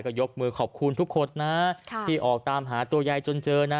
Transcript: ก็ยกมือขอบคุณทุกคนนะที่ออกตามหาตัวยายจนเจอนะ